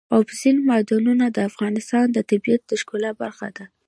اوبزین معدنونه د افغانستان د طبیعت د ښکلا برخه ده.